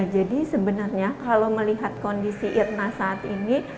jadi sebenarnya kalau melihat kondisi irnah saat ini